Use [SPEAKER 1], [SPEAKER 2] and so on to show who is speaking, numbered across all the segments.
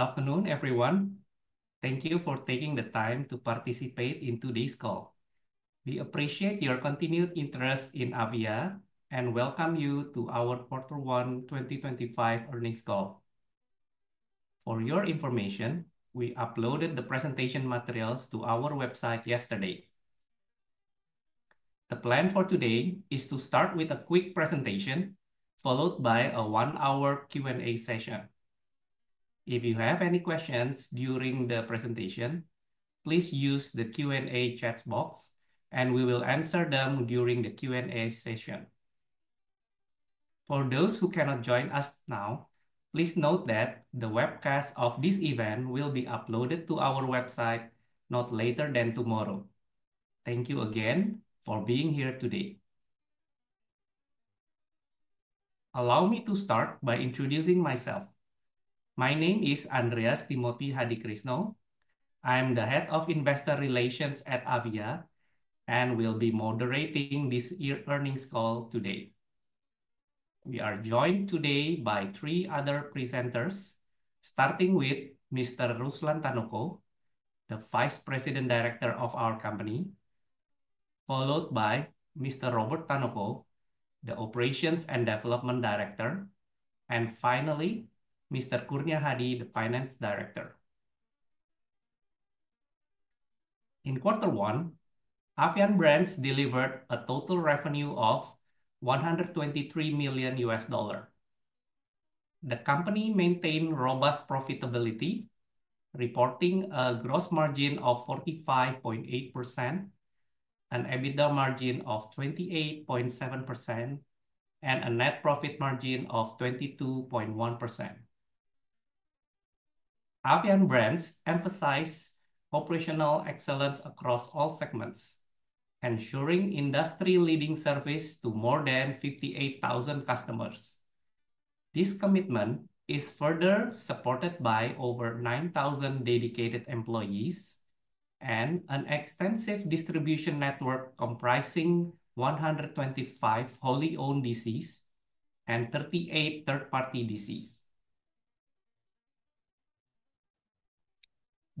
[SPEAKER 1] Good afternoon, everyone. Thank you for taking the time to participate in today's call. We appreciate your continued interest in AVIA and welcome you to our Quarter One 2025 Earnings Call. For your information, we uploaded the presentation materials to our website yesterday. The plan for today is to start with a quick presentation followed by a one-hour Q&A session. If you have any questions during the presentation, please use the Q&A chat box, and we will answer them during the Q&A session. For those who cannot join us now, please note that the webcast of this event will be uploaded to our website not later than tomorrow. Thank you again for being here today. Allow me to start by introducing myself. My name is Andreas Timothy Hadikrisno. I am the Head of Investor Relations at AVIA and will be moderating this earnings call today. We are joined today by three other presenters, starting with Mr. Ruslan Tanoko, the Vice President Director of our company, followed by Mr. Robert Tanoko, the Operations and Development Director, and finally, Mr. Kurnia Hadi, the Finance Director. In quarter one, Avian Brands delivered a total revenue of $123 million. The company maintained robust profitability, reporting a gross margin of 45.8%, an EBITDA margin of 28.7%, and a net profit margin of 22.1%. Avian Brands emphasized operational excellence across all segments, ensuring industry-leading service to more than 58,000 customers. This commitment is further supported by over 9,000 dedicated employees and an extensive distribution network comprising 125 wholly-owned DCs and 38 third-party DCs.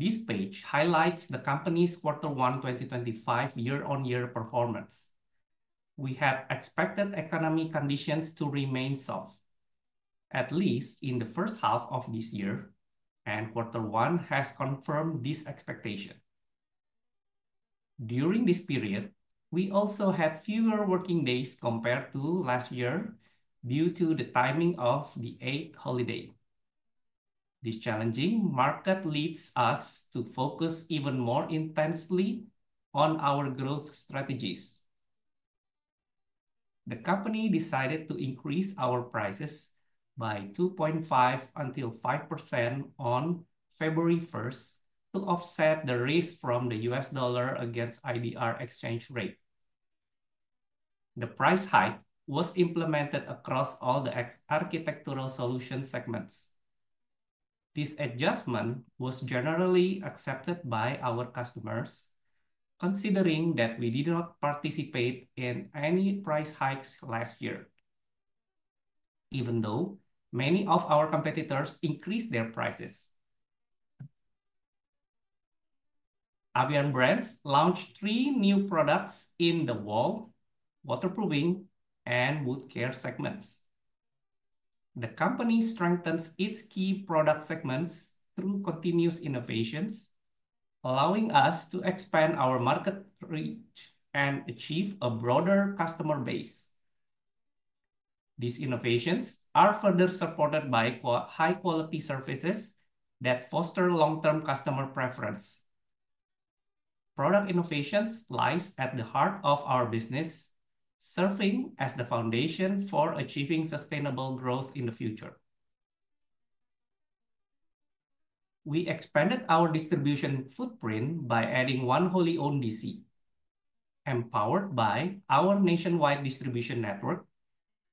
[SPEAKER 1] This page highlights the company's quarter one 2025 year-on-year performance. We have expected economic conditions to remain soft, at least in the first half of this year, and quarterhas confirmed this expectation. During this period, we also had fewer working days compared to last year due to the timing of the Eid holiday. This challenging market leads us to focus even more intensely on our growth strategies. The company decided to increase our prices by 2.5%-5% on February 1 to offset the risk from the US dollar against IDR exchange rate. The price hike was implemented across all the architectural solution segments. This adjustment was generally accepted by our customers, considering that we did not participate in any price hikes last year, even though many of our competitors increased their prices. Avian Brands launched three new products in the wall, waterproofing, and wood care segments. The company strengthens its key product segments through continuous innovations, allowing us to expand our market reach and achieve a broader customer base. These innovations are further supported by high-quality services that foster long-term customer preference. Product innovation lies at the heart of our business, serving as the foundation for achieving sustainable growth in the future. We expanded our distribution footprint by adding one wholly-owned DC. Empowered by our nationwide distribution network,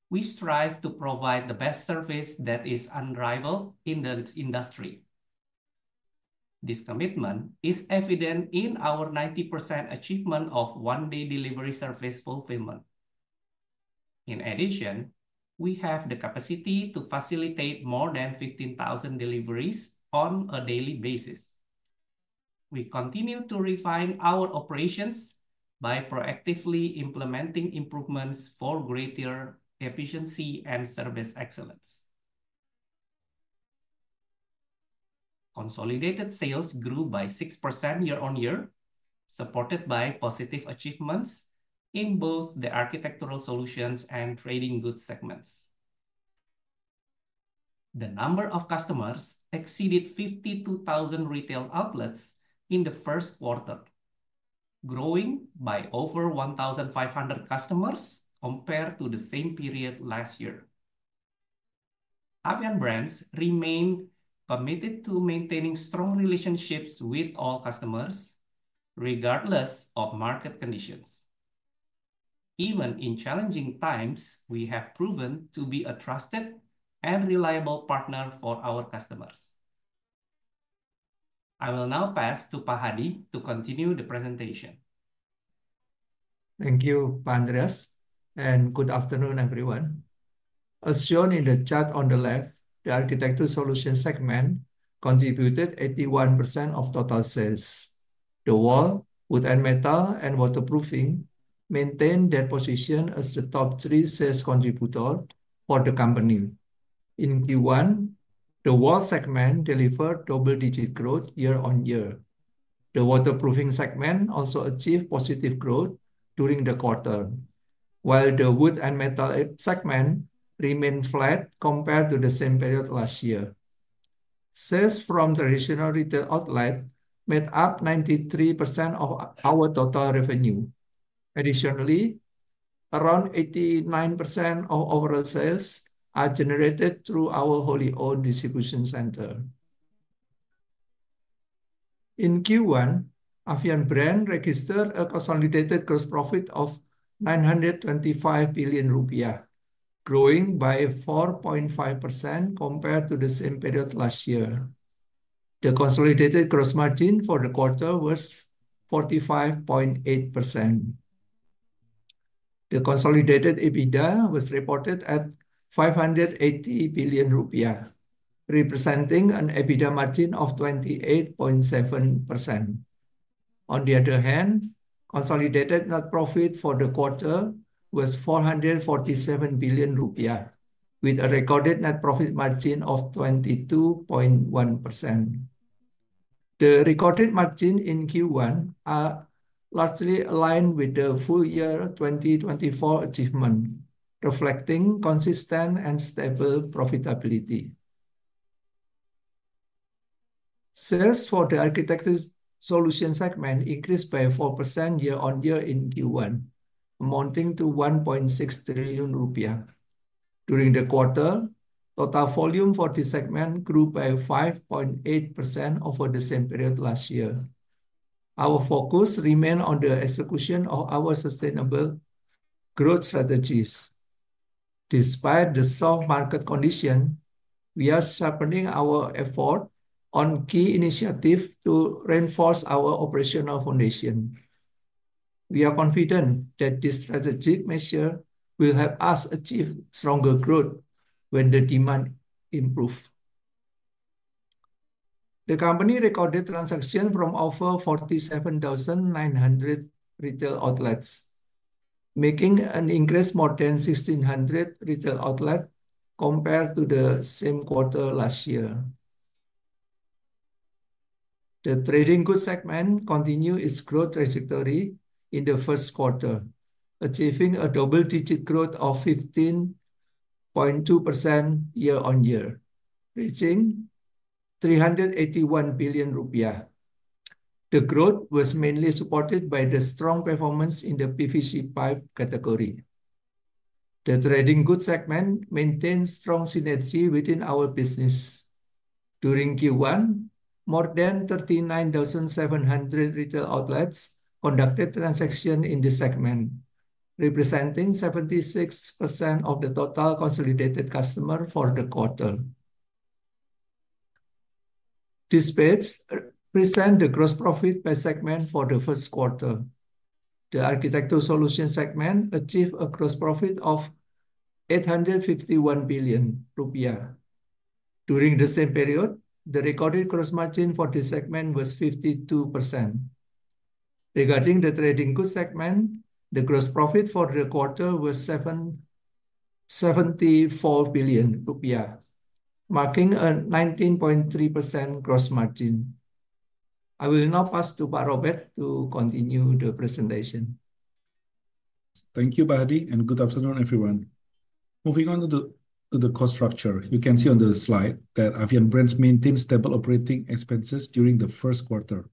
[SPEAKER 1] we strive to provide the best service that is unrivaled in the industry. This commitment is evident in our 90% achievement of one-day delivery service fulfillment. In addition, we have the capacity to facilitate more than 15,000 deliveries on a daily basis. We continue to refine our operations by proactively implementing improvements for greater efficiency and service excellence. Consolidated sales grew by 6% year-on-year, supported by positive achievements in both the architectural solutions and trading goods segments. The number of customers exceeded 52,000 retail outlets in the first quarter, growing by over 1,500 customers compared to the same period last year. Avian Brands remained committed to maintaining strong relationships with all customers, regardless of market conditions. Even in challenging times, we have proven to be a trusted and reliable partner for our customers. I will now pass to Pak Hadi to continue the presentation.
[SPEAKER 2] Thank you, Andreas, and good afternoon, everyone. As shown in the chart on the left, the architecture solution segment contributed 81% of total sales. The wall, wood, and metal and waterproofing maintained their position as the top three sales contributors for the company. In Q1, the wall segment delivered double-digit growth year-on-year. The waterproofing segment also achieved positive growth during the quarter, while the wood and metal segment remained flat compared to the same period last year. Sales from traditional retail outlets made up 93% of our total revenue. Additionally, around 89% of overall sales are generated through our wholly-owned distribution center. In Q1, Avian Brands registered a consolidated gross profit of 925 billion rupiah, growing by 4.5% compared to the same period last year. The consolidated gross margin for the quarter was 45.8%. The consolidated EBITDA was reported at 580 billion rupiah, representing an EBITDA margin of 28.7%. On the other hand, consolidated net profit for the quarter was 447 billion rupiah, with a recorded net profit margin of 22.1%. The recorded margin in Q1 largely aligned with the full year 2024 achievement, reflecting consistent and stable profitability. Sales for the architecture solution segment increased by 4% year-on-year in Q1, amounting to 1.6 trillion rupiah. During the quarter, total volume for this segment grew by 5.8% over the same period last year. Our focus remained on the execution of our sustainable growth strategies. Despite the soft market condition, we are sharpening our efforts on key initiatives to reinforce our operational foundation. We are confident that this strategic measure will help us achieve stronger growth when the demand improves. The company recorded transactions from over 47,900 retail outlets, making an increase of more than 1,600 retail outlets compared to the same quarter last year. The trading goods segment continued its growth trajectory in the first quarter, achieving a double-digit growth of 15.2% year-on-year, reaching 381 billion rupiah. The growth was mainly supported by the strong performance in the PVC pipe category. The trading goods segment maintained strong synergy within our business. During Q1, more than 39,700 retail outlets conducted transactions in this segment, representing 76% of the total consolidated customers for the quarter. This page presents the gross profit by segment for the first quarter. The architecture solution segment achieved a gross profit of 851 billion rupiah. During the same period, the recorded gross margin for this segment was 52%. Regarding the trading goods segment, the gross profit for the quarter was 74 billion rupiah, marking a 19.3% gross margin. I will now pass to Pak Robert to continue the presentation.
[SPEAKER 3] Thank you, Pak Hadi, and good afternoon, everyone. Moving on to the cost structure, you can see on the slide that Avian Brands maintained stable operating expenses during the first quarter.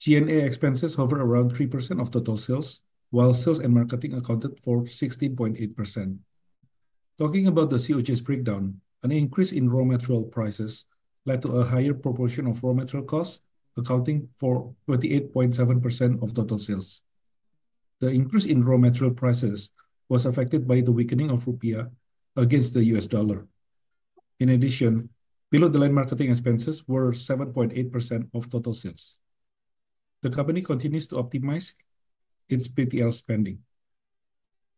[SPEAKER 3] G&A expenses hovered around 3% of total sales, while sales and marketing accounted for 16.8%. Talking about the COGS breakdown, an increase in raw material prices led to a higher proportion of raw material costs accounting for 28.7% of total sales. The increase in raw material prices was affected by the weakening of rupiah against the U.S. dollar. In addition, below-the-line marketing expenses were 7.8% of total sales. The company continues to optimize its BTL spending.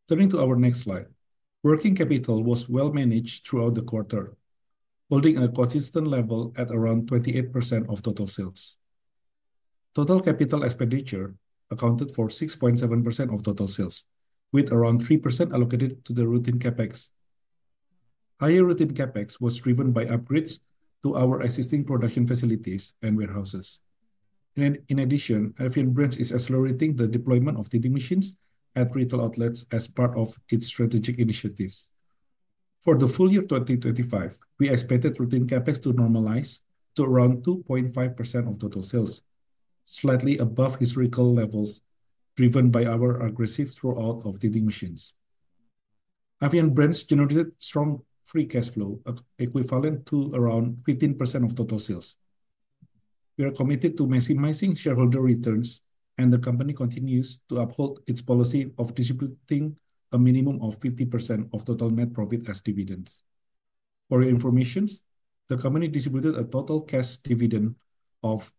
[SPEAKER 3] Turning to our next slide, working capital was well-managed throughout the quarter, holding a consistent level at around 28% of total sales. Total capital expenditure accounted for 6.7% of total sales, with around 3% allocated to the routine CapEx. Higher routine CapEx was driven by upgrades to our existing production facilities and warehouses. In addition, Avian Brands is accelerating the deployment of tinting machines at retail outlets as part of its strategic initiatives. For the full year 2025, we expected routine CapEx to normalize to around 2.5% of total sales, slightly above historical levels driven by our aggressive rollout of tinting machines. Avian Brands generated strong free cash flow, equivalent to around 15% of total sales. We are committed to maximizing shareholder returns, and the company continues to uphold its policy of distributing a minimum of 50% of total net profit as dividends. For your information, the company distributed a total cash dividend of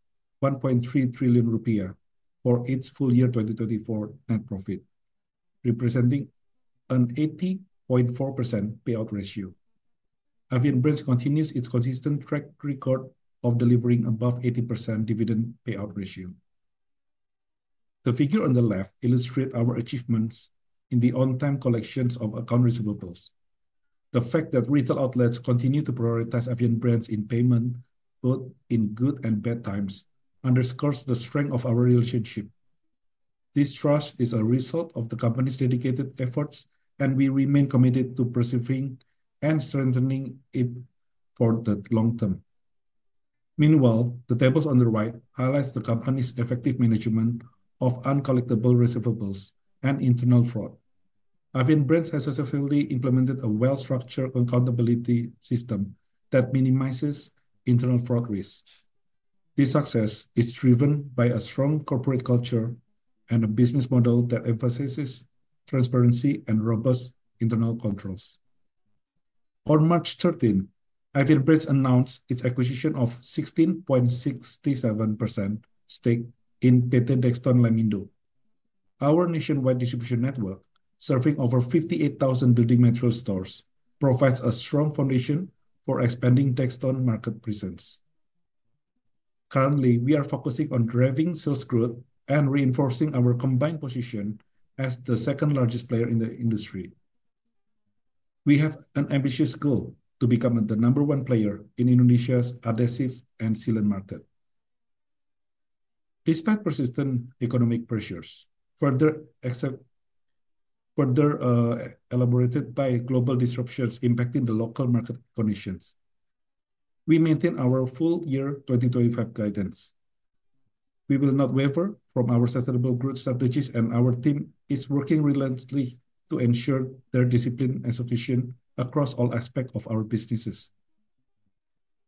[SPEAKER 3] 1.3 trillion rupiah for its full year 2024 net profit, representing an 80.4% payout ratio. Avian Brands continues its consistent track record of delivering above 80% dividend payout ratio. The figure on the left illustrates our achievements in the on-time collections of account receivables. The fact that retail outlets continue to prioritize Avian Brands in payment, both in good and bad times, underscores the strength of our relationship. This trust is a result of the company's dedicated efforts, and we remain committed to pursuing and strengthening it for the long term. Meanwhile, the tables on the right highlight the company's effective management of uncollectible receivables and internal fraud. Avian Brands has successfully implemented a well-structured accountability system that minimizes internal fraud risk. This success is driven by a strong corporate culture and a business model that emphasizes transparency and robust internal controls. On March 13, Avian Brands announced its acquisition of 16.67% stake in PT Dextone Lemindo. Our nationwide distribution network, serving over 58,000 building metro stores, provides a strong foundation for expanding Dextone market presence. Currently, we are focusing on driving sales growth and reinforcing our combined position as the second-largest player in the industry. We have an ambitious goal to become the number one player in Indonesia's adhesive and sealant market. Despite persistent economic pressures, further elaborated by global disruptions impacting the local market conditions, we maintain our full year 2025 guidance. We will not waver from our sustainable growth strategies, and our team is working relentlessly to ensure their discipline and sufficiency across all aspects of our businesses.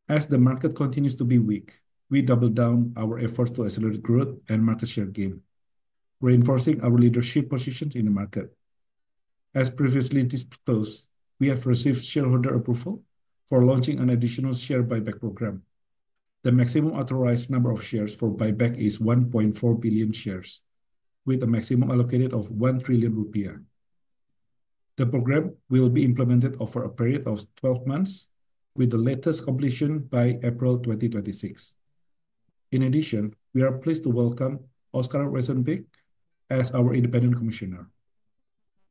[SPEAKER 3] As the market continues to be weak, we double down our efforts to accelerate growth and market share gain, reinforcing our leadership positions in the market. As previously disclosed, we have received shareholder approval for launching an additional share buyback program. The maximum authorized number of shares for buyback is 1.4 billion shares, with a maximum allocated of 1 trillion rupiah. The program will be implemented over a period of 12 months, with the latest completion by April 2026. In addition, we are pleased to welcome Oscar Wezenbeek as our Independent Commissioner.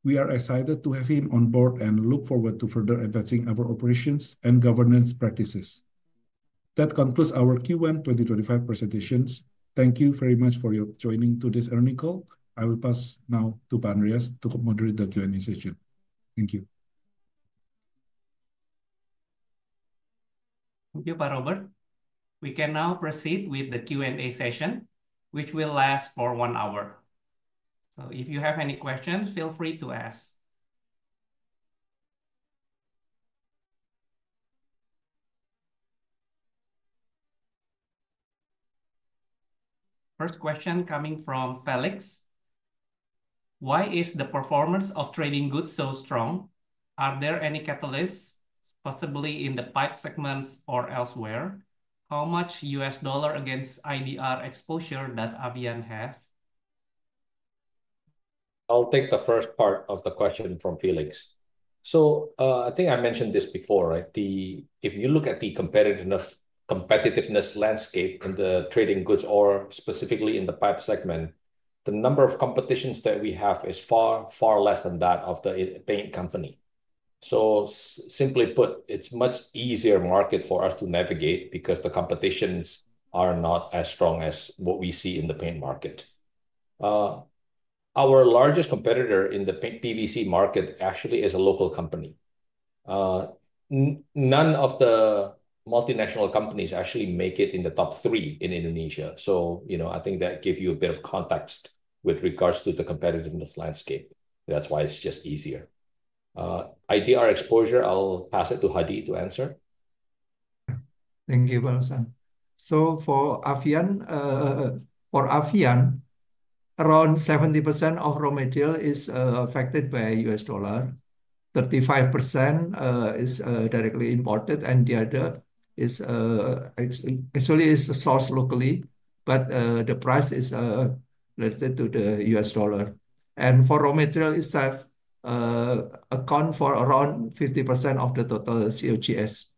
[SPEAKER 3] We are excited to have him on board and look forward to further advancing our operations and governance practices. That concludes our Q1 2025 presentations. Thank you very much for joining today's learning call. I will pass now to Pak Andreas to moderate the Q&A session. Thank you.
[SPEAKER 1] Thank you, Pak Robert. We can now proceed with the Q&A session, which will last for one hour. If you have any questions, feel free to ask. First question coming from Felix. Why is the performance of trading goods so strong? Are there any catalysts, possibly in the pipe segments or elsewhere? How much US dollar against IDR exposure does Avian have?
[SPEAKER 4] I'll take the first part of the question from Felix. I think I mentioned this before, right? If you look at the competitiveness landscape in the trading goods, or specifically in the pipe segment, the number of competitions that we have is far, far less than that of the paint company. Simply put, it's a much easier market for us to navigate because the competitions are not as strong as what we see in the paint market. Our largest competitor in the paint PVC market actually is a local company. None of the multinational companies actually make it in the top three in Indonesia. You know, I think that gives you a bit of context with regards to the competitiveness landscape. That's why it's just easier. IDR exposure, I'll pass it to Hadi to answer.
[SPEAKER 2] Thank you, Ruslan. For Avian, around 70% of raw material is affected by the US dollar. 35% is directly imported, and the other is actually sourced locally, but the price is related to the US dollar. For raw material itself, it accounts for around 50% of the total COGS.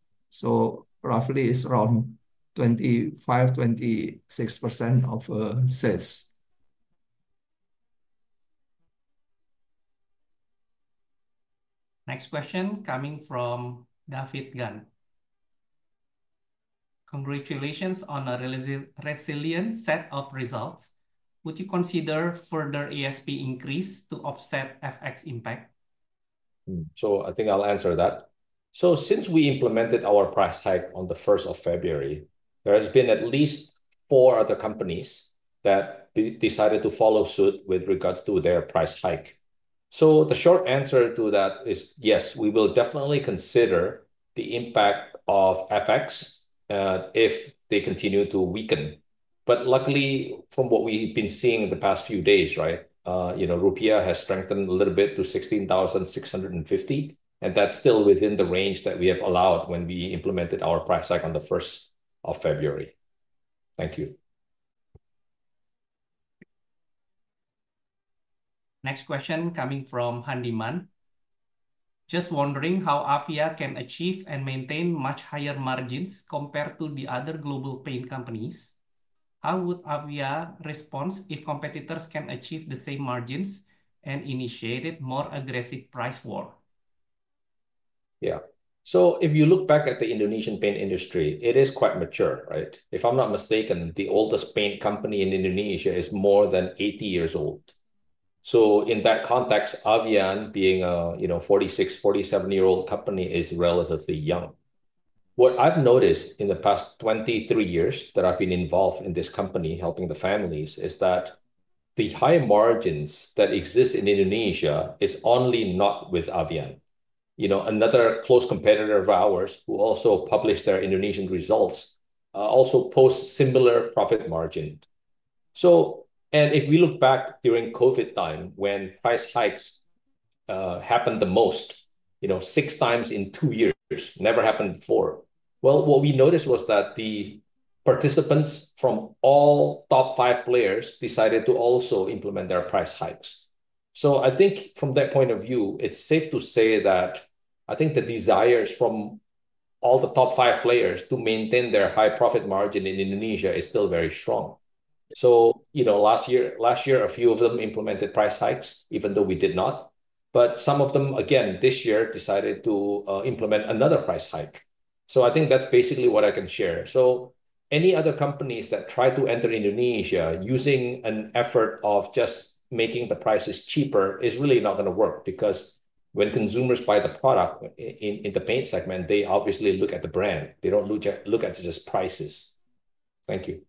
[SPEAKER 2] Roughly, it is around 25%-26% of sales.
[SPEAKER 1] Next question coming from David Gan. Congratulations on a resilient set of results. Would you consider further ASP increase to offset FX impact?
[SPEAKER 4] I think I'll answer that. Since we implemented our price hike on the 1st of February, there have been at least four other companies that decided to follow suit with regards to their price hike. The short answer to that is yes, we will definitely consider the impact of FX if they continue to weaken. Luckily, from what we've been seeing in the past few days, you know, rupiah has strengthened a little bit to 16,650, and that's still within the range that we have allowed when we implemented our price hike on the 1st of February. Thank you.
[SPEAKER 1] Next question coming from Handiman. Just wondering how AVIA can achieve and maintain much higher margins compared to the other global paint companies. How would AVIA respond if competitors can achieve the same margins and initiate a more aggressive price war?
[SPEAKER 4] Yeah. If you look back at the Indonesian paint industry, it is quite mature, right? If I'm not mistaken, the oldest paint company in Indonesia is more than 80 years old. In that context, Avian, being a 46, 47-year-old company, is relatively young. What I've noticed in the past 23 years that I've been involved in this company helping the families is that the high margins that exist in Indonesia are only not with Avian. You know, another close competitor of ours, who also published their Indonesian results, also posts similar profit margins. If we look back during COVID time when price hikes happened the most, you know, six times in two years, never happened before, what we noticed was that the participants from all top five players decided to also implement their price hikes. I think from that point of view, it's safe to say that I think the desires from all the top five players to maintain their high profit margin in Indonesia are still very strong. You know, last year, a few of them implemented price hikes, even though we did not. Some of them, again, this year decided to implement another price hike. I think that's basically what I can share. Any other companies that try to enter Indonesia using an effort of just making the prices cheaper is really not going to work because when consumers buy the product in the paint segment, they obviously look at the brand. They don't look at just prices. Thank you.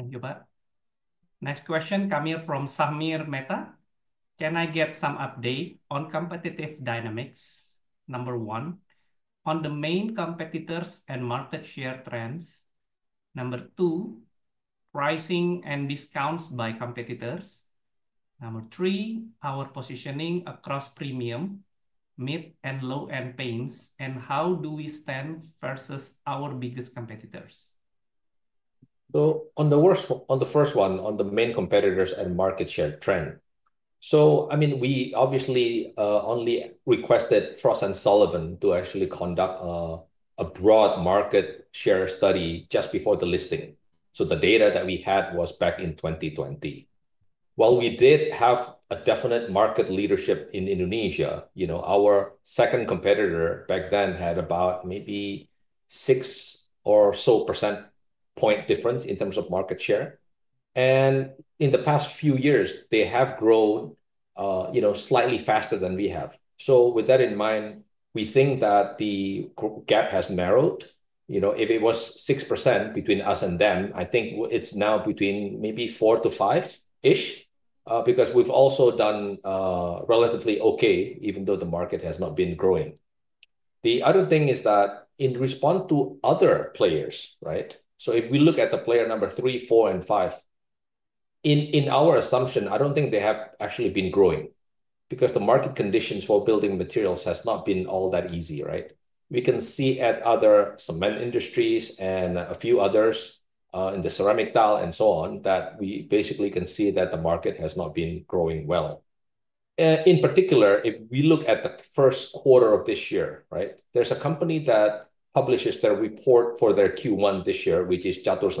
[SPEAKER 1] Thank you, Pak. Next question coming from Samir Mehta. Can I get some update on competitive dynamics? Number one, on the main competitors and market share trends. Number two, pricing and discounts by competitors. Number three, our positioning across premium, mid, and low-end paints, and how do we stand versus our biggest competitors?
[SPEAKER 4] On the first one, on the main competitors and market share trend. I mean, we obviously only requested Frost & Sullivan to actually conduct a broad market share study just before the listing. The data that we had was back in 2020. While we did have a definite market leadership in Indonesia, you know, our second competitor back then had about maybe six or so percentage point difference in terms of market share. In the past few years, they have grown, you know, slightly faster than we have. With that in mind, we think that the gap has narrowed. You know, if it was 6% between us and them, I think it's now between maybe 4-5% because we've also done relatively okay, even though the market has not been growing. The other thing is that in response to other players, right? If we look at the player number three, four, and five, in our assumption, I don't think they have actually been growing because the market conditions for building materials have not been all that easy, right? We can see at other cement industries and a few others in the ceramic tile and so on that we basically can see that the market has not been growing well. In particular, if we look at the first quarter of this year, right, there's a company that publishes their report for their Q1 this year, which is Japfa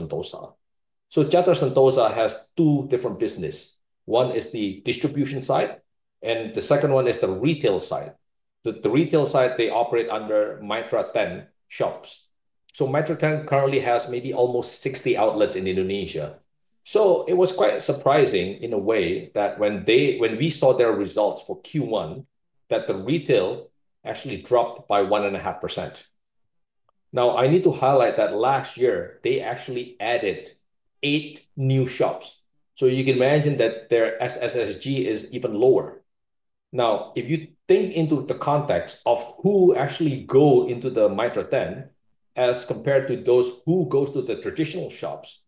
[SPEAKER 4] Santosa. Japfa Sentosa has two different businesses. One is the distribution side, and the second one is the retail side. The retail side, they operate under Mitra10 shops. Mitra10 currently has maybe almost 60 outlets in Indonesia. It was quite surprising in a way that when we saw their results for Q1, the retail actually dropped by 1.5%. I need to highlight that last year, they actually added eight new shops. You can imagine that their SSSG is even lower. If you think into the context of who actually goes into the Mitra10 as compared to those who go to the traditional shops,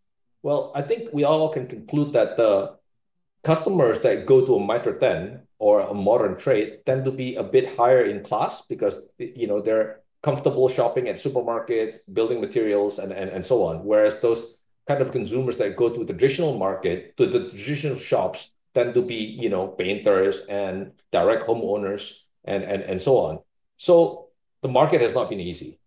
[SPEAKER 4] I think we all can conclude that the customers that go to a Mitra10 or a Modern Trade tend to be a bit higher in class because, you know, they're comfortable shopping at supermarkets, building materials, and so on. Whereas those kind of consumers that go to the traditional market, to the traditional shops, tend to be, you know, painters and direct homeowners and so on. The market has not been easy.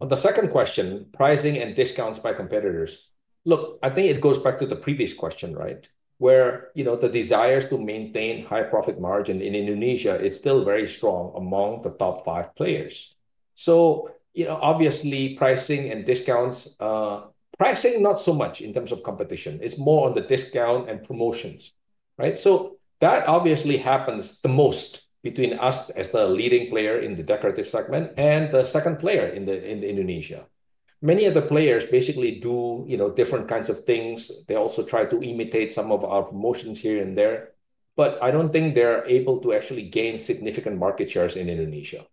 [SPEAKER 4] On the second question, pricing and discounts by competitors. Look, I think it goes back to the previous question, right, where, you know, the desires to maintain high profit margin in Indonesia are still very strong among the top five players. You know, obviously, pricing and discounts, pricing not so much in terms of competition. It is more on the discount and promotions, right? That obviously happens the most between us as the leading player in the decorative segment and the second player in Indonesia. Many of the players basically do, you know, different kinds of things. They also try to imitate some of our promotions here and there, but I do not think they are able to actually gain significant market shares in Indonesia.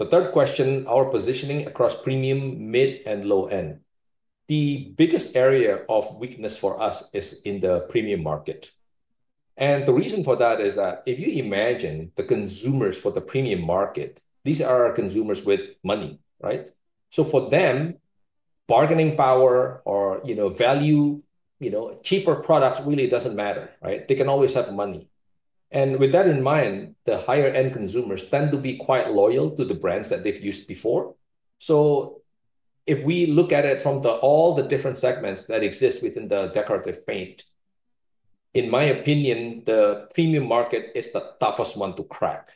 [SPEAKER 4] The third question, our positioning across premium, mid, and low-end. The biggest area of weakness for us is in the premium market. The reason for that is that if you imagine the consumers for the premium market, these are consumers with money, right? For them, bargaining power or, you know, value, you know, cheaper products really does not matter, right? They can always have money. With that in mind, the higher-end consumers tend to be quite loyal to the brands that they've used before. If we look at it from all the different segments that exist within the decorative paint, in my opinion, the premium market is the toughest one to crack.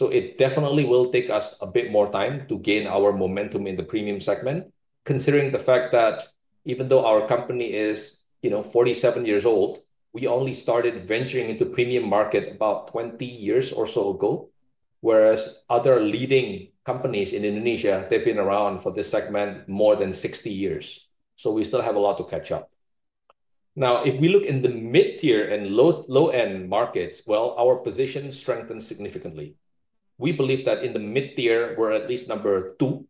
[SPEAKER 4] It definitely will take us a bit more time to gain our momentum in the premium segment, considering the fact that even though our company is, you know, 47 years old, we only started venturing into the premium market about 20 years or so ago, whereas other leading companies in Indonesia, they've been around for this segment more than 60 years. We still have a lot to catch up. Now, if we look in the mid-tier and low-end markets, our position strengthens significantly. We believe that in the mid-tier, we're at least number two,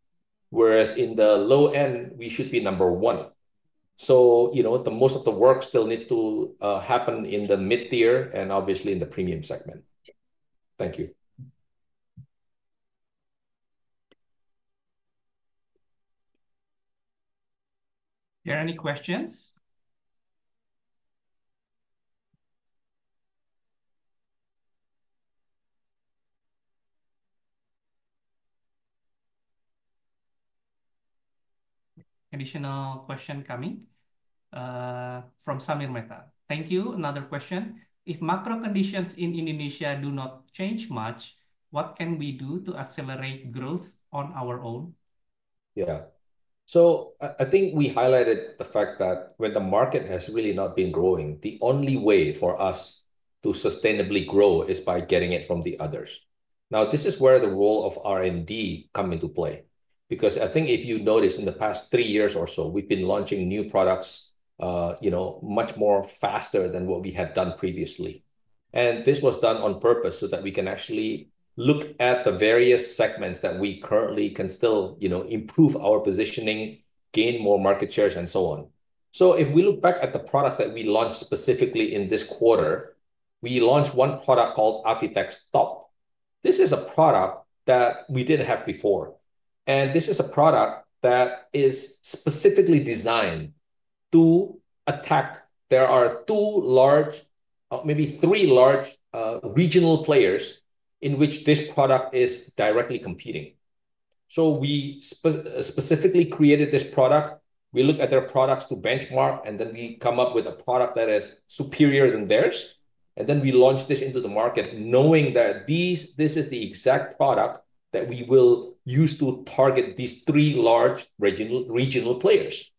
[SPEAKER 4] whereas in the low-end, we should be number one. Most of the work still needs to happen in the mid-tier and obviously in the premium segment. Thank you.
[SPEAKER 1] Are there any questions? Additional question coming from Samir Mehta. Thank you. Another question. If macro conditions in Indonesia do not change much, what can we do to accelerate growth on our own?
[SPEAKER 4] Yeah. I think we highlighted the fact that when the market has really not been growing, the only way for us to sustainably grow is by getting it from the others. This is where the role of R&D comes into play because I think if you notice in the past three years or so, we've been launching new products, you know, much more faster than what we had done previously. This was done on purpose so that we can actually look at the various segments that we currently can still, you know, improve our positioning, gain more market shares, and so on. If we look back at the products that we launched specifically in this quarter, we launched one product called Avitex TOP. This is a product that we didn't have before. This is a product that is specifically designed to attack. There are two large, maybe three large regional players in which this product is directly competing. We specifically created this product. We look at their products to benchmark, and then we come up with a product that is superior than theirs. We launched this into the market knowing that this is the exact product that we will use to target these three large regional players.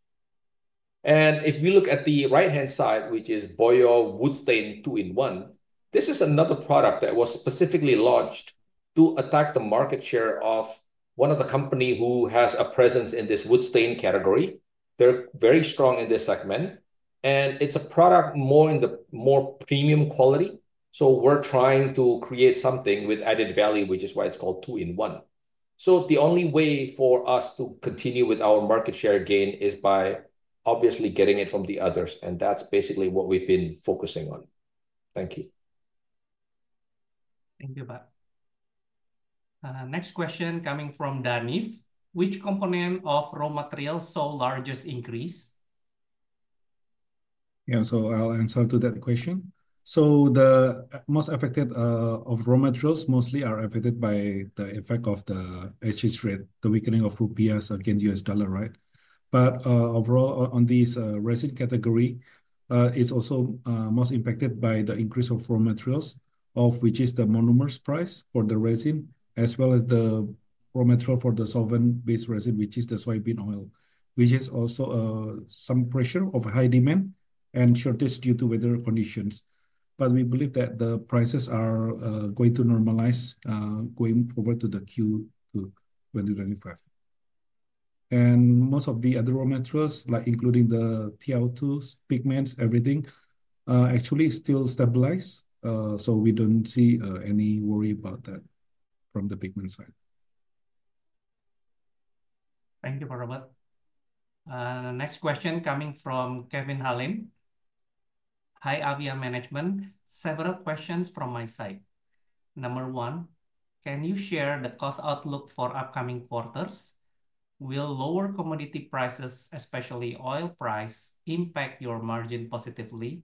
[SPEAKER 4] If we look at the right-hand side, which is Boyo Wood Stain 2 in 1, this is another product that was specifically launched to attack the market share of one of the companies who has a presence in this woodstain category. They're very strong in this segment, and it's a product more in the more premium quality. We're trying to create something with added value, which is why it's called 2 in 1. The only way for us to continue with our market share gain is by obviously getting it from the others. That's basically what we've been focusing on. Thank you.
[SPEAKER 1] Thank you, Pak. Next question coming from Danif. Which component of raw materials saw the largest increase?
[SPEAKER 3] Yeah, so I'll answer to that question. The most affected of raw materials mostly are affected by the effect of the HH rate, the weakening of rupiahs against US dollar, right? Overall, on this resin category, it's also most impacted by the increase of raw materials, of which is the monomers price for the resin, as well as the raw material for the solvent-based resin, which is the soybean oil, which is also some pressure of high demand and shortage due to weather conditions. We believe that the prices are going to normalize going forward to Q2 2025. Most of the other raw materials, like including the TiO2s, pigments, everything, actually still stabilized. We don't see any worry about that from the pigment side.
[SPEAKER 1] Thank you, Robert. Next question coming from Kevin Halim. Hi, Avian Management. Several questions from my side. Number one, can you share the cost outlook for upcoming quarters? Will lower commodity prices, especially oil price, impact your margin positively?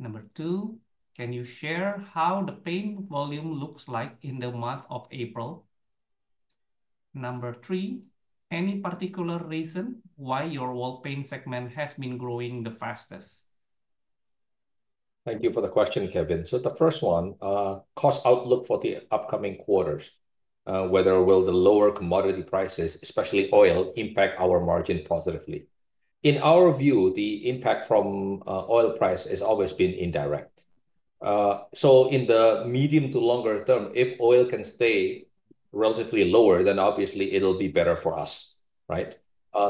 [SPEAKER 1] Number two, can you share how the paint volume looks like in the month of April? Number three, any particular reason why your oil paint segment has been growing the fastest?
[SPEAKER 4] Thank you for the question, Kevin. The first one, cost outlook for the upcoming quarters, whether will the lower commodity prices, especially oil, impact our margin positively? In our view, the impact from oil price has always been indirect. In the medium to longer term, if oil can stay relatively lower, then obviously it'll be better for us, right?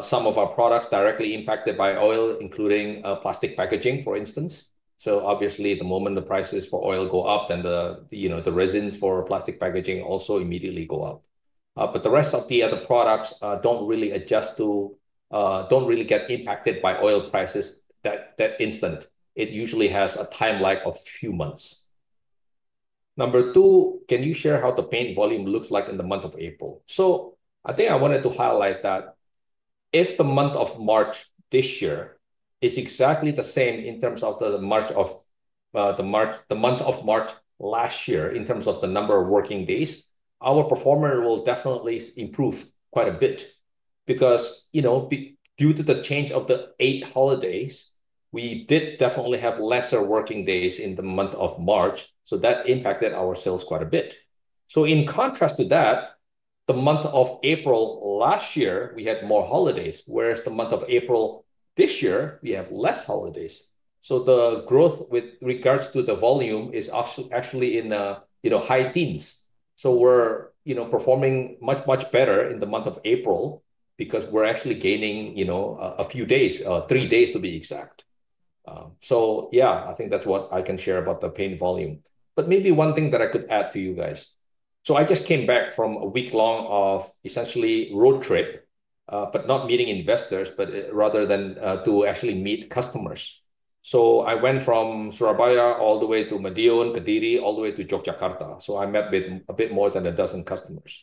[SPEAKER 4] Some of our products are directly impacted by oil, including plastic packaging, for instance. Obviously, the moment the prices for oil go up, then the, you know, the resins for plastic packaging also immediately go up. The rest of the other products don't really adjust to, don't really get impacted by oil prices that instant. It usually has a time lag of a few months. Number two, can you share how the paint volume looks like in the month of April? I think I wanted to highlight that if the month of March this year is exactly the same in terms of the month of March last year in terms of the number of working days, our performance will definitely improve quite a bit because, you know, due to the change of the eight holidays, we did definitely have fewer working days in the month of March. That impacted our sales quite a bit. In contrast to that, the month of April last year, we had more holidays, whereas the month of April this year, we have fewer holidays. The growth with regards to the volume is actually in, you know, high teens. We are, you know, performing much, much better in the month of April because we are actually gaining, you know, a few days, three days to be exact. Yeah, I think that's what I can share about the paint volume. Maybe one thing that I could add to you guys. I just came back from a week long of essentially road trip, but not meeting investors, but rather than to actually meet customers. I went from Surabaya all the way to Madiun, Kediri, all the way to Jakarta. I met with a bit more than a dozen customers.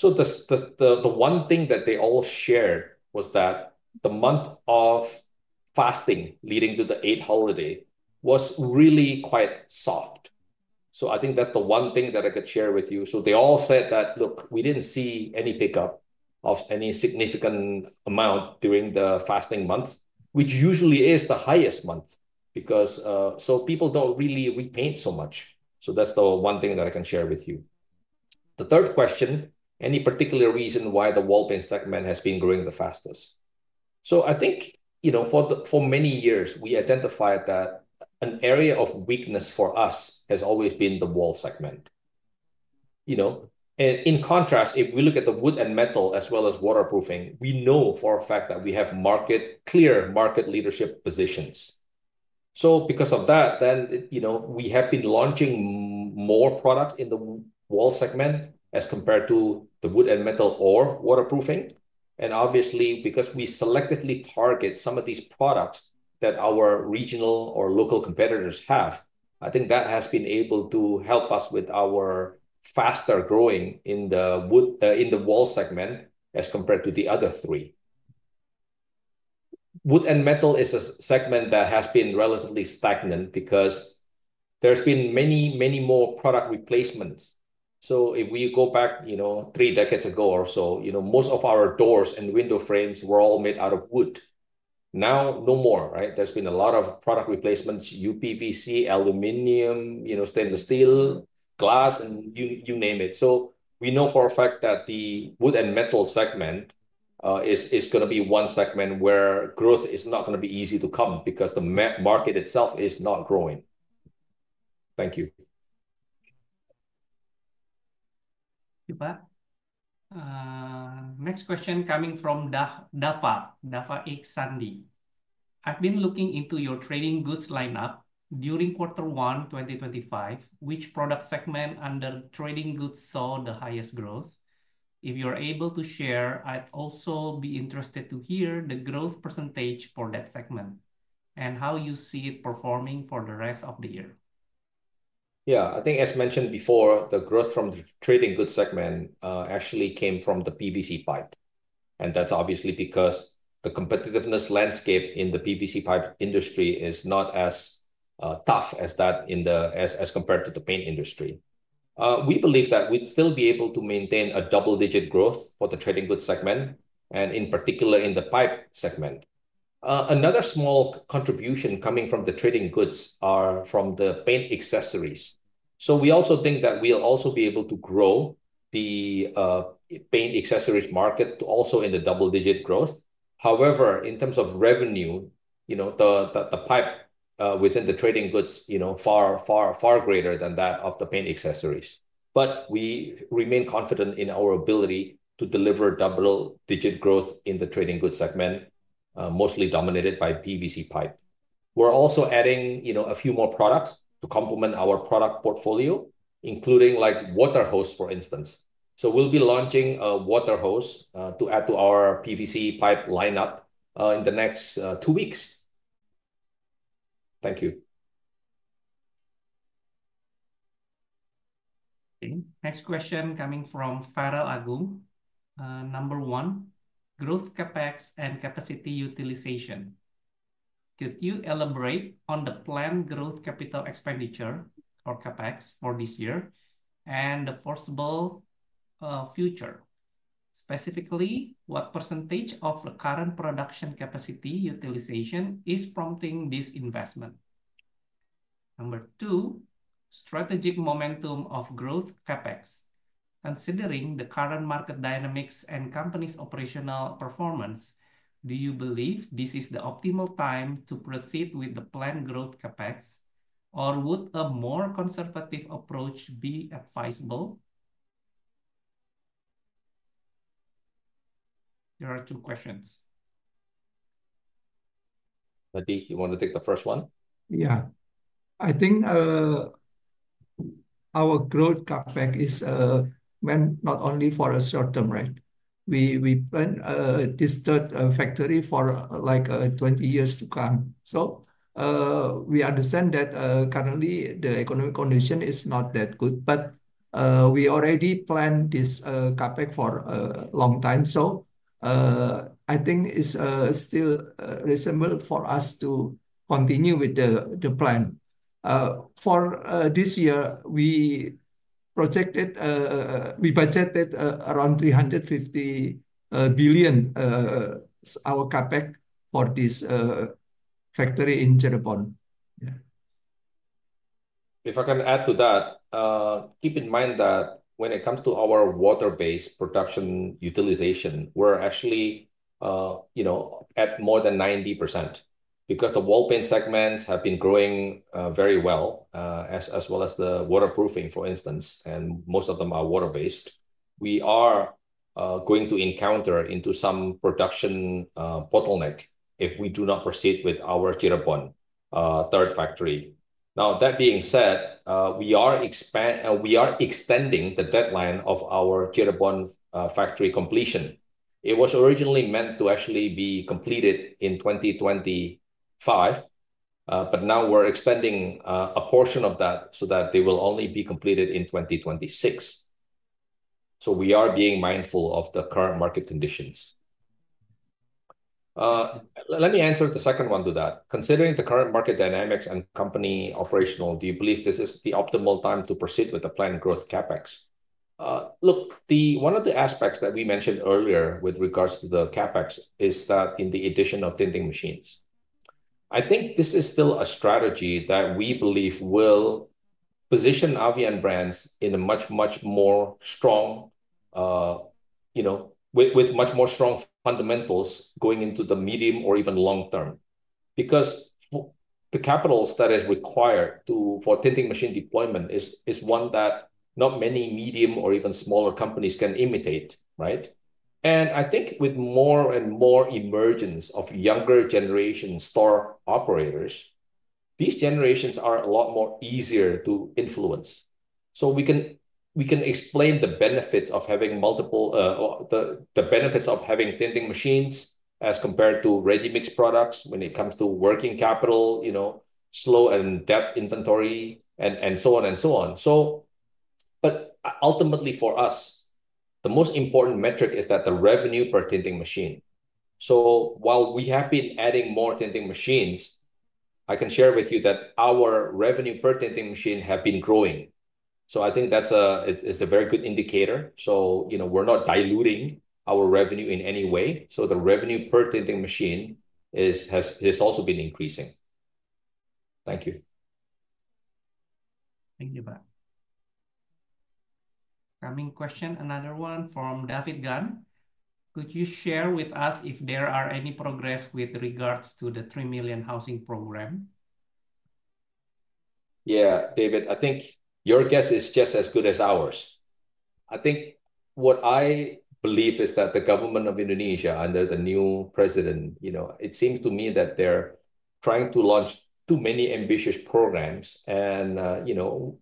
[SPEAKER 4] The one thing that they all shared was that the month of fasting leading to the Eid holiday was really quite soft. I think that's the one thing that I could share with you. They all said that, look, we didn't see any pickup of any significant amount during the fasting month, which usually is the highest month because people don't really repaint so much. That's the one thing that I can share with you. The third question, any particular reason why the wall paint segment has been growing the fastest? I think, you know, for many years, we identified that an area of weakness for us has always been the wall segment. You know, in contrast, if we look at the wood and metal as well as waterproofing, we know for a fact that we have clear market leadership positions. Because of that, then, you know, we have been launching more products in the wall segment as compared to the wood and metal or waterproofing. Obviously, because we selectively target some of these products that our regional or local competitors have, I think that has been able to help us with our faster growing in the wall segment as compared to the other three. Wood and metal is a segment that has been relatively stagnant because there's been many, many more product replacements. If we go back, you know, three decades ago or so, you know, most of our doors and window frames were all made out of wood. Now, no more, right? There's been a lot of product replacements: UPVC, aluminum, stainless steel, glass, and you name it. We know for a fact that the wood and metal segment is going to be one segment where growth is not going to be easy to come because the market itself is not growing. Thank you.
[SPEAKER 1] Thank you, Pak. Next question coming from Daffa Ichzandi. I've been looking into your trading goods lineup during quarter one 2025. Which product segment under trading goods saw the highest growth? If you're able to share, I'd also be interested to hear the growth percentage for that segment and how you see it performing for the rest of the year.
[SPEAKER 4] Yeah, I think as mentioned before, the growth from the trading goods segment actually came from the PVC pipe. That's obviously because the competitiveness landscape in the PVC pipe industry is not as tough as that in the as compared to the paint industry. We believe that we'd still be able to maintain a double-digit growth for the trading goods segment, and in particular in the pipe segment. Another small contribution coming from the trading goods is from the paint accessories. We also think that we'll also be able to grow the paint accessories market also in the double-digit growth. However, in terms of revenue, you know, the pipe within the trading goods, you know, far, far, far greater than that of the paint accessories. We remain confident in our ability to deliver double-digit growth in the trading goods segment, mostly dominated by PVC pipe. We're also adding, you know, a few more products to complement our product portfolio, including like water hose, for instance. We will be launching a water hose to add to our PVC pipe lineup in the next two weeks. Thank you.
[SPEAKER 1] Next question coming from Farrell Agung. Number one, growth CapEx and capacity utilization. Could you elaborate on the planned growth capital expenditure or CapEx for this year and the foreseeable future? Specifically, what percentage of the current production capacity utilization is prompting this investment? Number two, strategic momentum of growth CapEx. Considering the current market dynamics and company's operational performance, do you believe this is the optimal time to proceed with the planned growth CapEx, or would a more conservative approach be advisable? There are two questions.
[SPEAKER 4] Hadi, you want to take the first one?
[SPEAKER 2] Yeah. I think our growth CapEx is meant not only for a short term, right? We planned this third factory for like 20 years to come. We understand that currently the economic condition is not that good, but we already planned this CapEx for a long time. I think it's still reasonable for us to continue with the plan. For this year, we projected, we budgeted around 350 billion our CapEx for this factory in Cirebon.
[SPEAKER 4] If I can add to that, keep in mind that when it comes to our water-based production utilization, we're actually, you know, at more than 90% because the wall paint segments have been growing very well, as well as the waterproofing, for instance, and most of them are water-based. We are going to encounter some production bottleneck if we do not proceed with our Cirebon third factory. That being said, we are extending the deadline of our Cirebon factory completion. It was originally meant to actually be completed in 2025, but now we're extending a portion of that so that they will only be completed in 2026. We are being mindful of the current market conditions. Let me answer the second one to that. Considering the current market dynamics and company operational, do you believe this is the optimal time to proceed with the planned growth CapEx? Look, one of the aspects that we mentioned earlier with regards to the CapEx is that in the addition of tinting machines. I think this is still a strategy that we believe will position Avian Brands in a much, much more strong, you know, with much more strong fundamentals going into the medium or even long term because the capital that is required for tinting machine deployment is one that not many medium or even smaller companies can imitate, right? I think with more and more emergence of younger generation store operators, these generations are a lot more easier to influence. You know, we can explain the benefits of having multiple, the benefits of having tinting machines as compared to ready-mix products when it comes to working capital, you know, slow and depth inventory, and so on and so on. Ultimately for us, the most important metric is the revenue per tinting machine. While we have been adding more tinting machines, I can share with you that our revenue per tinting machine has been growing. I think that's a very good indicator. You know, we're not diluting our revenue in any way. The revenue per tinting machine has also been increasing. Thank you.
[SPEAKER 1] Thank you, Pak. Coming question, another one from David Gan. Could you share with us if there are any progress with regards to the 3 million housing program?
[SPEAKER 4] Yeah, David, I think your guess is just as good as ours. I think what I believe is that the government of Indonesia under the new president, you know, it seems to me that they're trying to launch too many ambitious programs and, you know,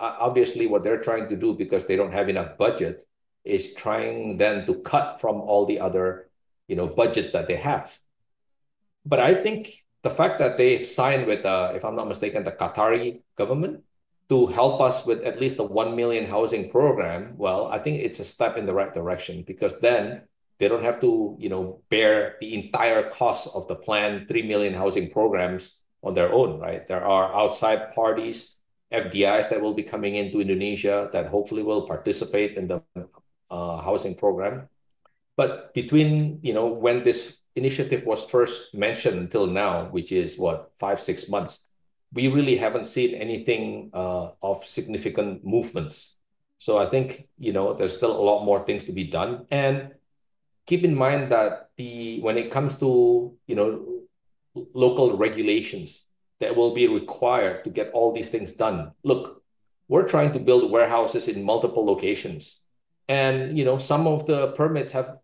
[SPEAKER 4] obviously what they're trying to do because they don't have enough budget is trying then to cut from all the other, you know, budgets that they have. I think the fact that they signed with, if I'm not mistaken, the Qatari government to help us with at least a 1 million housing program, I think it's a step in the right direction because then they don't have to, you know, bear the entire cost of the planned 3 million housing programs on their own, right? There are outside parties, FDIs that will be coming into Indonesia that hopefully will participate in the housing program. Between, you know, when this initiative was first mentioned until now, which is what, five, six months, we really haven't seen anything of significant movements. I think, you know, there's still a lot more things to be done. Keep in mind that when it comes to, you know, local regulations that will be required to get all these things done, look, we're trying to build warehouses in multiple locations. You know, some of the permits have,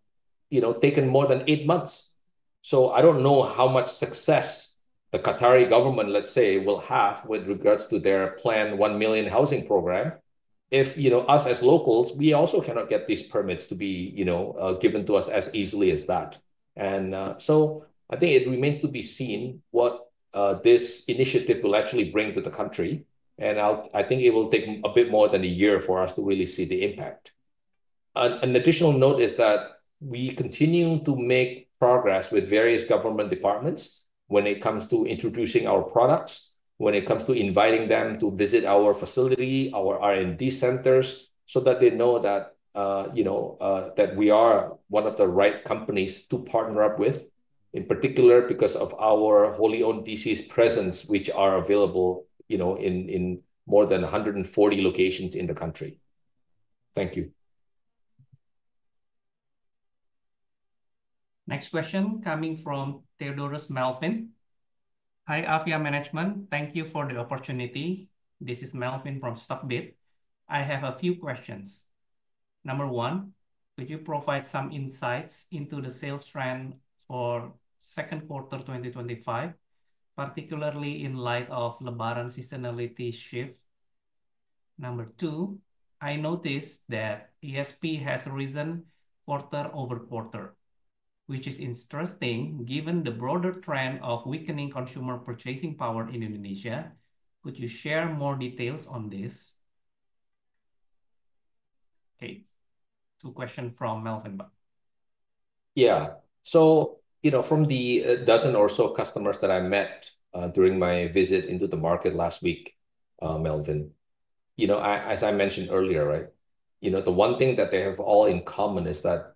[SPEAKER 4] you know, taken more than eight months. I don't know how much success the Qatari government, let's say, will have with regards to their planned 1 million housing program if, you know, us as locals, we also cannot get these permits to be, you know, given to us as easily as that. I think it remains to be seen what this initiative will actually bring to the country. I think it will take a bit more than a year for us to really see the impact. An additional note is that we continue to make progress with various government departments when it comes to introducing our products, when it comes to inviting them to visit our facility, our R&D centers so that they know that, you know, that we are one of the right companies to partner up with, in particular because of our wholly owned DCs presence, which are available, you know, in more than 140 locations in the country. Thank you.
[SPEAKER 1] Next question coming from Theodorus Melvin. Hi, Avia Management. Thank you for the opportunity. This is Melvin from Stockbit. I have a few questions. Number one, could you provide some insights into the sales trend for second quarter 2025, particularly in light of Lebaran seasonality shift? Number two, I noticed that ASP has risen quarter-over-quarter, which is interesting given the broader trend of weakening consumer purchasing power in Indonesia. Could you share more details on this? Okay. Two questions from Melvin.
[SPEAKER 4] Yeah. So, you know, from the dozen or so customers that I met during my visit into the market last week, Melvin, you know, as I mentioned earlier, right? You know, the one thing that they have all in common is that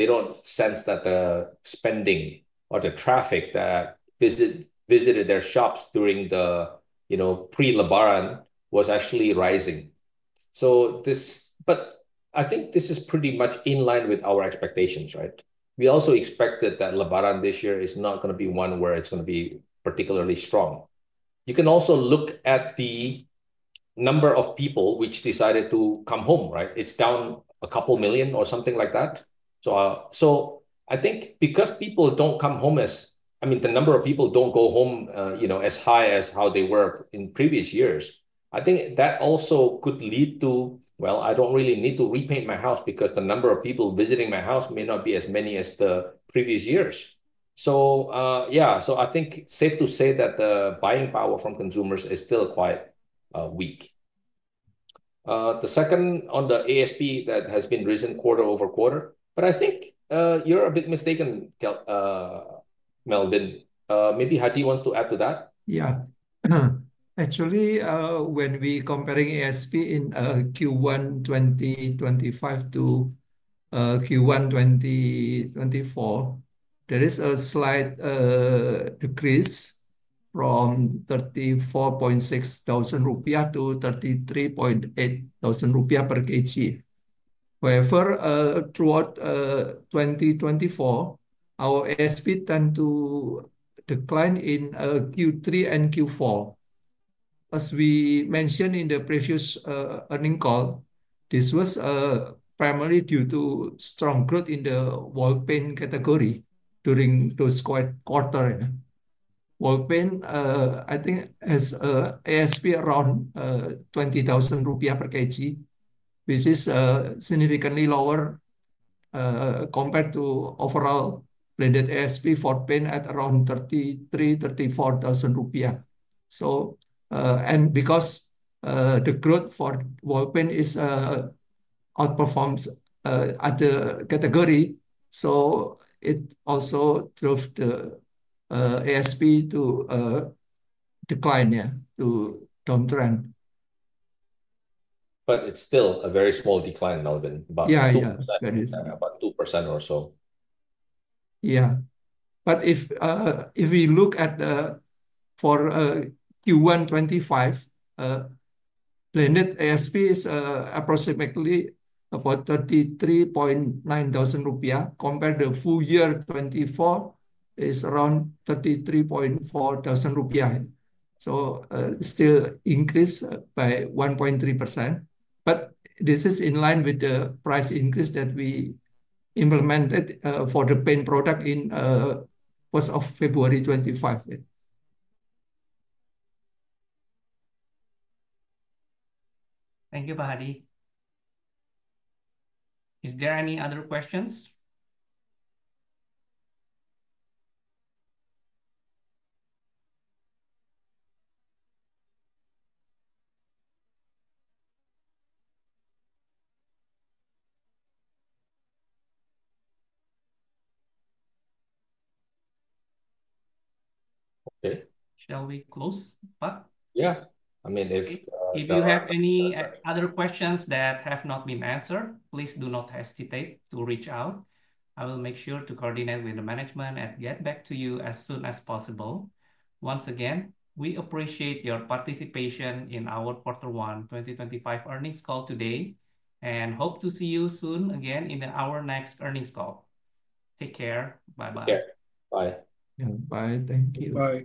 [SPEAKER 4] they don't sense that the spending or the traffic that visited their shops during the, you know, pre-Lebaran was actually rising. This, I think, is pretty much in line with our expectations, right? We also expected that Lebaran this year is not going to be one where it's going to be particularly strong. You can also look at the number of people which decided to come home, right? It's down a couple million or something like that. I think because people do not come home as, I mean, the number of people do not go home, you know, as high as how they were in previous years, I think that also could lead to, I do not really need to repaint my house because the number of people visiting my house may not be as many as the previous years. Yeah, I think safe to say that the buying power from consumers is still quite weak. The second on the ASP that has been risen quarter-over-quarter, but I think you are a bit mistaken, Melvin. Maybe Hadi wants to add to that.
[SPEAKER 2] Yeah. Actually, when we are comparing ASP in Q1 2025 to Q1 2024, there is a slight decrease from 34,600 rupiah to 33,800 rupiah per kg. However, throughout 2024, our ASP tends to decline in Q3 and Q4. As we mentioned in the previous earning call, this was primarily due to strong growth in the wall paint category during those quarters. Wall paint, I think, has ASP around 20,000 rupiah per kg, which is significantly lower compared to overall blended ASP for paint at around 33,000-34,000 rupiah. Because the growth for wall paint outperforms other categories, it also drove the ASP to decline, yeah, to downtrend.
[SPEAKER 4] It is still a very small decline, Melvin, about 2%, about 2% or so.
[SPEAKER 2] Yeah. If we look at the for Q1 2025, blended ASP is approximately about 33,900 rupiah compared to the full year 2024, is around 33,400 rupiah. Still increased by 1.3%. This is in line with the price increase that we implemented for the paint product in first of February 2025.
[SPEAKER 1] Thank you, Pak Hadi. Are there any other questions?
[SPEAKER 4] Okay.
[SPEAKER 1] Shall we close, Pak?
[SPEAKER 4] Yeah. I mean, if. If you have any other questions that have not been answered, please do not hesitate to reach out. I will make sure to coordinate with the management and get to you as soon as possible. Once again, we appreciate your participation in our quarter one 2025 earnings call today and hope to see you soon again in our next earnings call. Take care. Bye-bye. Okay. Bye.
[SPEAKER 2] Yeah. Bye. Thank you.